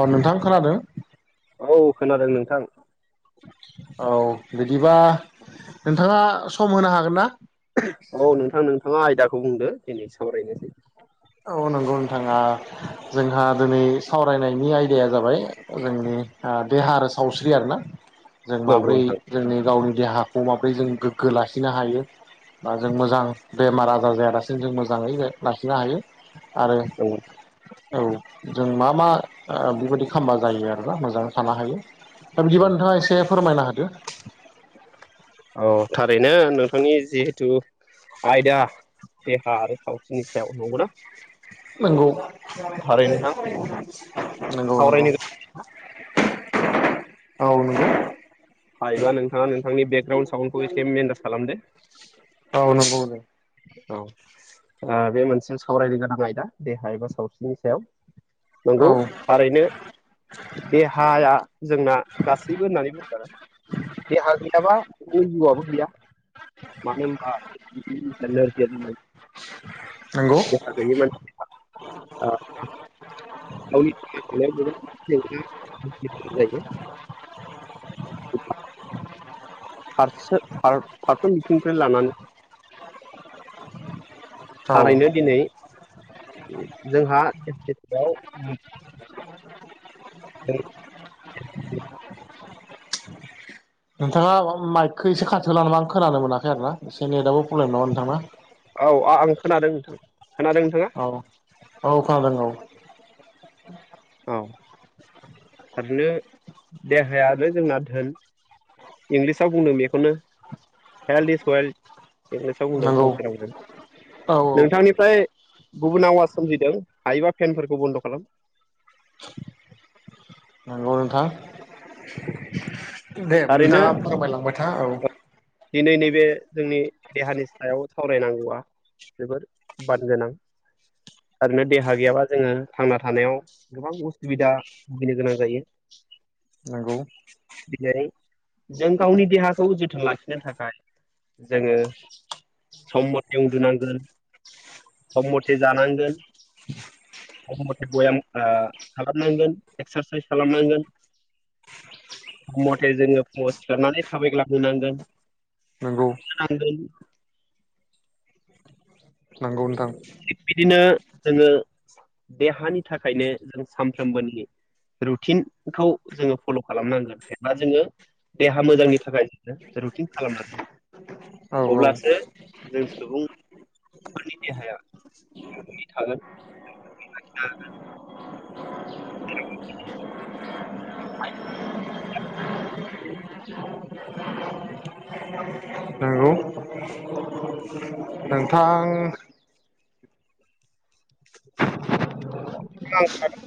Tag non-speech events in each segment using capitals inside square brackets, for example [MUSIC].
औ नोंथां खोनादों औ खोनादों नोंथां औ बिदिबा नोंथाङा सम होनो हागोन ना औ नोंथां नोंथाङा आयदाखौ बुंदो दिनै सावरायनोसै औ नंगौ नोंथाङा जोंहा दिनै सावरायनायनि आयदाया जाबाय जोंनि देहा आरो सावस्रि आरोना जों नंगौ माबोरै नोंथां जोंनि गावनि देहाखौ माबोरै जों गोग्गो लाखिनो हायो बा जों मोजां बेमार आजार जायालासिनो जों मोजाङै लाखिनो हायो आरो औ औ जों मा मा बेबायादि खालामामबा जायो आरोना मोजाङै थानो हायो दा बिदिबा नंगौ नोंथाङा एसे फोरमायनो होदो औ थारैनो नोंथांनि जिहेथु आयदा देहा आरो सावस्रिनि सायाव नंगौना नंगौ थारै नोंथां नंगौ नंगौ सावरायनो गोनां औ नंगौ हायोबा नोंथाङा नोंथांनि बेकग्राउन्ड साउन्डखौ एसे मेनटेज खालामदो औ नंगौ नो औ ओ बे मोनसे सावरायनो गोनां आयदा देहा एबा सावस्रिनि सायाव नंगौ औ थारैनो देहाया जोंना गासैबो होननानै बुंदों देहा गैयाबा अंग'आबो गैया मानो होमबा [UNINTELLIGIBLE] नंगौ [UNINTELLIGIBLE] [UNINTELLIGIBLE] फारसे फारफ्रोम बिथिंनिफ्राय लानानै औ थारैनो दिनै जोंहा [UNINTELLIGIBLE] [UNINTELLIGIBLE] नोंथाङा माइकखौ एसे खाथिवला नामा आं खोनानो मोनाखै आरो ना एसे नेटाबबो प्रब्लेम नामा नोंथांना औ आं खोनादों नोंथां खोनादों नोंथाङा औ औ खोनादों औ औ थारनो देहायानो जोंना धोन इंलिसाव बुंदों बेखौनो हेल्थ इस वेल इंलिसाव बुंदों नंगौ फंस दावोन औ [UNINTELLIGIBLE] नोंथांनिफ्राय गुबुन आवाज सोमजिदों हायोबा फेनफोरखौ बन्द' खालाम नांगौ नोंथां दे थारैनो नोंथाङा फमायलांबाय था औ दिनै नैबे जोंनि देहानि सायाव सावरायनांगौआ जोबोद बानगोनां थारैनो देहा गैयाबा जोङो थांना थानायाव गोबां उसुबिदा भुगिनो गोनां जायो नंगौ बिदायारि [UNINTELLIGIBLE] जों गावनि देहाखौ जोथोन लाखिनो थाखाय जोङो सम मथे उन्दुनांगोन सम मथे जानांगोन [INAUDIBLE] मथ मथे बयाम आ खालामनांगोन एक्सारसाइस खालामनांगोन सम [UNINTELLIGIBLE] थे जोङो फुङाव सिखारनानै थाबायग्लांनो नंगौ खारनो नांगोन नांगौ नोंथां थिग बिदिनो जोङो देहानि थाखायनो जों सानफ्रोमबोनि रुटिनखौ जोङो फल' खालामनांगोन एबा जोङो देहा मोजांनि थाखाय जों रुटिन खालामनानै ला औ औ अब्लासो जों सुबुंफोरनि देहाया गोगोयै थागोन [UNINTELLIGIBLE] [INAUDIBLE] नोंगौ नोंथां ओं आं खोनादों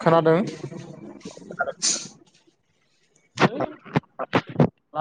खोनादों [UNINTELLIGIBLE]